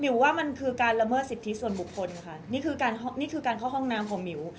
ว่ามันคือการละเมิดสิทธิส่วนบุคคลค่ะนี่คือการนี่คือการเข้าห้องน้ำของหมิว